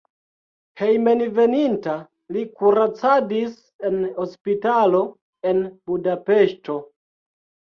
Hejmenveninta li kuracadis en hospitalo en Budapeŝto.